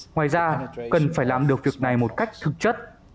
ngoài ra cần phải làm được việc này một cách thực chất